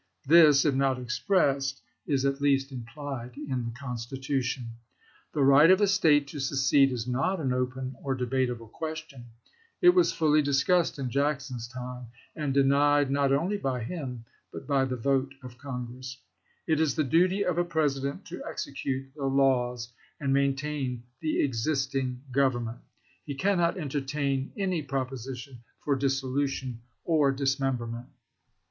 This, if not expressed, is at least implied in the Constitution. The right of a State to secede is not an open or debatable question. It was fully dis cussed in Jackson's time, and denied not only by him, but by the vote of Congress. It is the duty of a President to execute the laws and maintain the existing Government. He cannot entertain any proposition for dissolution or dismemberment.